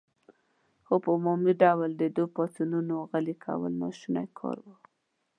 خو په عمومي ډول د دې پاڅونونو غلي کول ناشوني کار و.